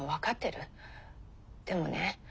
でもね